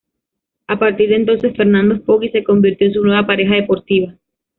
A partir de entonces, Fernando Poggi se convirtió en su nueva pareja deportiva.